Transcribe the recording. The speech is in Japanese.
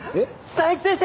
佐伯先生。